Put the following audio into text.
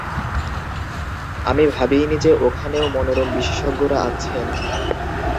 আমি ভাবিইনি যে ওখানেও মনোরোগ বিশেষজ্ঞরা আছেন।